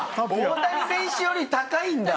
大谷選手より高いんだ。